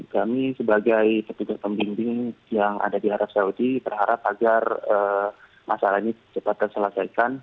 kami sebagai petugas pembimbing yang ada di arab saudi berharap agar masalah ini cepat terselesaikan